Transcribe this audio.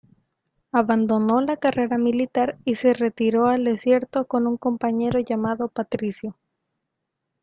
Abandonó la carrera militar y se retiró al desierto con un compañero llamado Patricio.